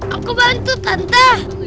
aku bantu tante